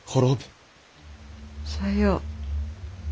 さよう。